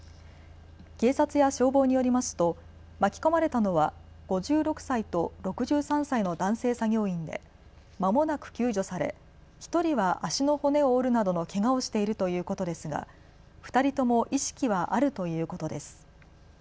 警察や消防によりますと巻き込まれたのは５６歳と６３歳の男性作業員でまもなく救助され１人は足の骨を折るなどのけがをしているということですが２人とも意識はあるということです。